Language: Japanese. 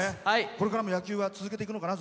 これからも野球は続けていくのかな？